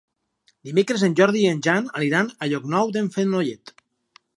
Dimecres en Jordi i en Jan aniran a Llocnou d'en Fenollet.